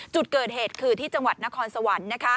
จุดเกิดเหตุคือที่จังหวัดนครสวรรค์